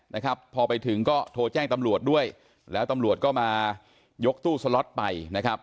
นะครับพอไปถึงก็โทรแจ้งตำรวจด้วยแล้วตำรวจก็มายกตู้สล็อตไปนะครับ